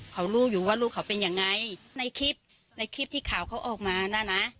เขารู้อยู่ว่าลูกเขาเป็นยังไงในคลิปในคลิปที่ข่าวเขาออกมาน่ะนะ